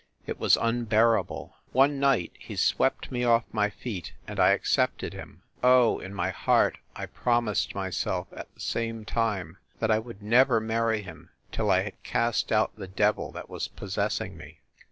It was unbearable. One night he swept me off my feet and I accepted him. Oh, in my heart, I promised myself, at the same time, that I would never marry him till I had cast out the devil that was possessing me.